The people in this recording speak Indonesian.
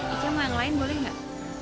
ica mau yang lain boleh gak